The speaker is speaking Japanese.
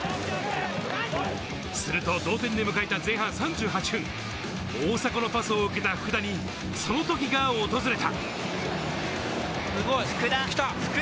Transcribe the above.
すると同点で迎えた前半３８分、大迫のパスを受けた福田にその時が訪れた。